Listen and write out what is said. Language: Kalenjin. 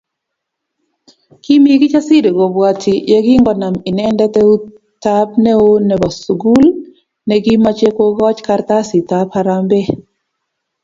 Kimi Kijasiri kobwati yekingonam inendet eutab neo nebo sukul ne kimoche kokoch kartasitab harambee